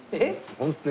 本当に。